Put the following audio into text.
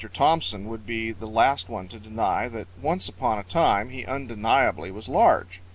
Thompson would be the last one to deny that once upon a time he undeniably was large.